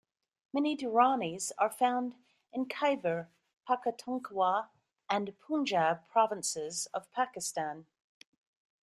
Many Durranis are found in Khyber Pakhtunkhwa and Punjab provinces of Pakistan.